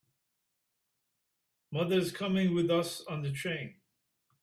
Mother is coming with us on the train.